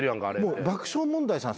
もう爆笑問題さん